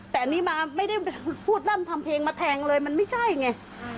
แต่อันนี้มาไม่ได้พูดล่ำทำเพลงมาแทงเลยมันไม่ใช่ไง